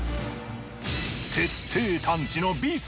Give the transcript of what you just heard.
徹底探知のビス。